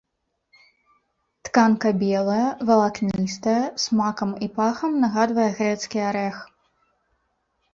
Тканка белая, валакністая, смакам і пахам нагадвае грэцкі арэх.